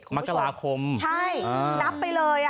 นับไปเลยอ่ะ